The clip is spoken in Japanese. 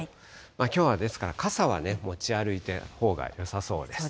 きょうは、ですから、傘は持ち歩いたほうがよさそうです。